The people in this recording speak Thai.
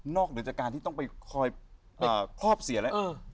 เหนือจากการที่ต้องไปคอยครอบเสียแล้ว